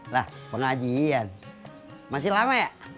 lah pengajian masih lama ya